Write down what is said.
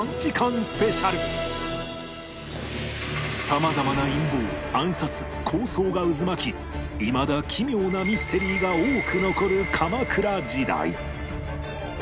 様々な陰謀暗殺抗争が渦巻きいまだ奇妙なミステリーが多く残る鎌倉時代